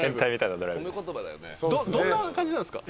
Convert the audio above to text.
どんな感じなんですか？